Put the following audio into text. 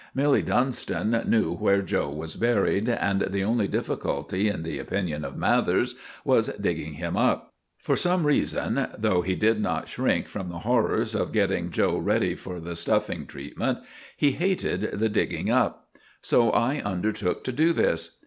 Milly Dunstan knew where 'Joe' was buried, and the only difficulty, in the opinion of Mathers, was digging him up. For some reason, though he did not shrink from the horrors of getting 'Joe' ready for the stuffing treatment, he hated the digging up; so I undertook to do this.